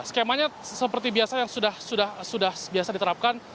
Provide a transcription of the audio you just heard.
skemanya seperti biasa yang sudah biasa diterapkan